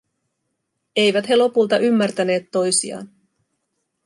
Eivät he lopulta ymmärtäneet toisiaan.